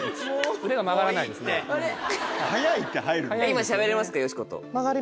今しゃべれますか？